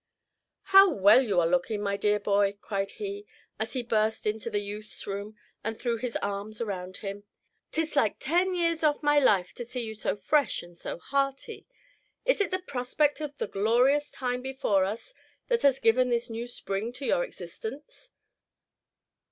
"How well you are lookin', my dear boy!" cried he, as he burst into the youth's room, and threw his arms around him; "'tis like ten years off my life to see you so fresh and so hearty. Is it the prospect of the glorious time before us that has given this new spring to your existence?"